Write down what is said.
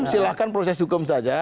silahkan proses hukum saja